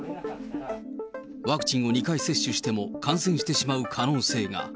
ワクチンを２回接種しても、感染してしまう可能性が。